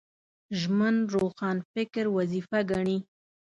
ژمن روښانفکر وظیفه ګڼي